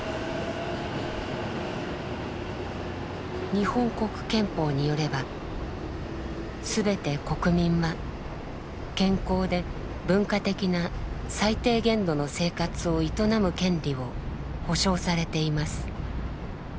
日本国憲法によればすべて国民は健康で文化的な最低限度の生活を営む権利を保障されています。